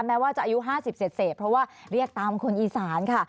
แม้ว่าจะอายุ๕๐เสร็จเพราะว่าเรียกตามคนอีสานค่ะ